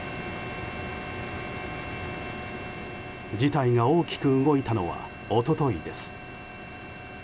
事態が大きく動いたのは一昨日です。